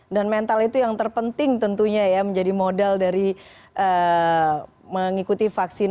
dan mental itu yang terpenting tentunya ya menjadi modal dari mengikuti vaksin